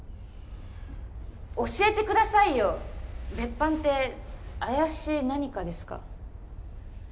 教えてくださいよ別班って怪しい何かですか？